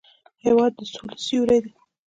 هېواد د سولې سیوری دی.